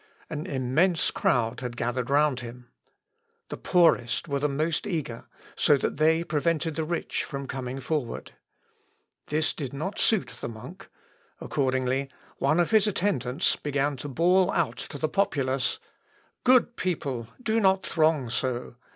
An immense crowd had gathered round him. The poorest were the most eager, so that they prevented the rich from coming forward. This did not suit the monk; accordingly, one of his attendants began to bawl out to the populace, "Good people, do not throng so!